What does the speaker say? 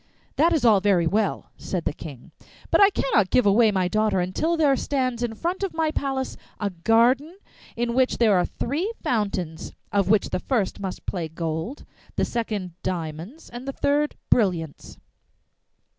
'That is all very well,' said the King, 'but I cannot give away my daughter until there stands in front of my palace a garden in which there are three fountains, of which the first must play gold, the second diamonds, and the third brilliants.